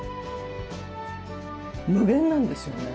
無限なんですよね。